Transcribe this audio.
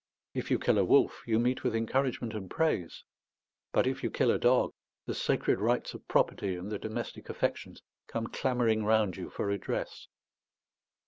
If you kill a wolf, you meet with encouragement and praise; but if you kill a dog, the sacred rights of property and the domestic affections come clamouring round you for redress.